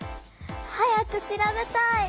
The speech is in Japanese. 早く調べたい。